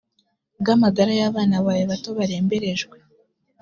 bw amagara y abana bawe bato baremberejwe